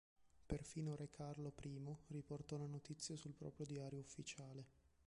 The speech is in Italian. Perfino Re Carlo I riportò la notizia sul proprio diario ufficiale.